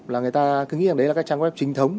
là người ta cứ nghĩ là đấy là cái trang web trinh thống